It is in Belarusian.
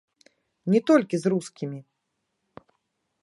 Не толькі з рускімі.